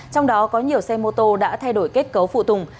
trong đó có nhiều xe mô tô đã thay đổi kết cấu phụ tùng